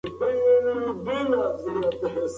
که واسطه نه وي نو استعداد نه وژل کیږي.